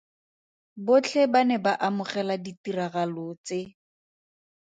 Botlhe ba ne ba amogela ditiragalo tse.